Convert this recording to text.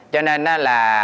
cho nên nó là